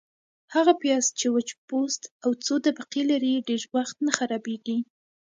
- هغه پیاز چي وچ پوست او څو طبقې لري، ډېر وخت نه خرابیږي.